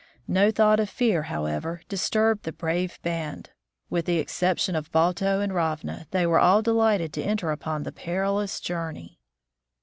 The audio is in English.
No thought of fear, however, disturbed the brave band. With the exception of Balto and Ravna, they were all delighted to enter upon the perilous journey.